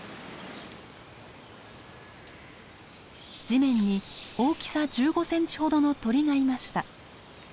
地面に大きさ１５センチほどの鳥がいました。